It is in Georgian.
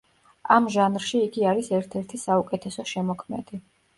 ამ ჟანრში იგი არის ერთ-ერთი საუკეთესო შემოქმედი.